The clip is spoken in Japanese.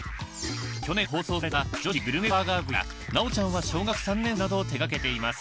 去年放送された『女子グルメバーガー部』や『直ちゃんは小学三年生』などを手がけています。